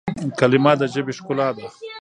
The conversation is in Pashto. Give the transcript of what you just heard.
کلیمه د ژبي ښکلا ده.